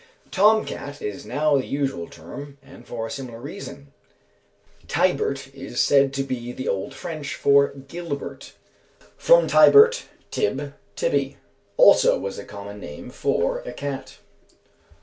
"Tom cat" is now the usual term, and for a similar reason. "Tibert" is said to be the old French for "Gilbert." From "Tibert," "Tib," "Tibby," also was a common name for a cat.